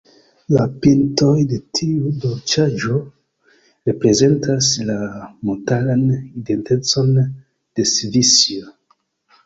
La "pintoj" de tiu dolĉaĵo reprezentas la montaran identecon de Svisio.